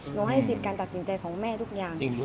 ให้สิทธิ์การตัดสินใจของแม่ทุกอย่าง